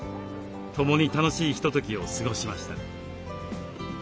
共に楽しいひとときを過ごしました。